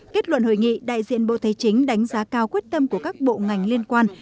kết luận hội nghị đại diện bộ thế chính đánh giá cao quyết tâm của các bộ ngành liên quan